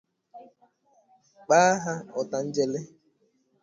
kpaa ha ọtanjele